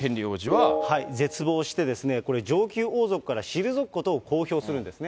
絶望してですね、これ、上級王族から退くことを公表するんですね。